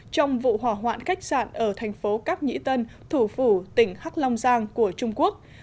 trong vụ hỏa hoạn khách sạn ở thành phố cáp nhĩ tân thủ phủ tỉnh hắc long giang của trung quốc